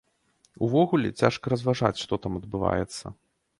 Увогуле, цяжка разважаць, што там адбываецца.